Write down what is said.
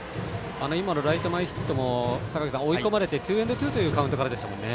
今のライト前ヒットも坂口さん、追い込まれてツーエンドツーというカウントからでしたね。